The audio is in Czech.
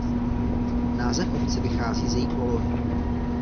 Název obce vychází z její polohy.